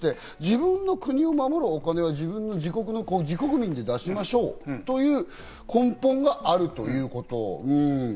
いろんなことが付随してくるけど、自分の国を守るお金は自国の、自国民で出しましょうという根本があるということ。